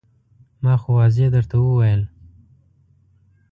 ما خو واضح درته وویل.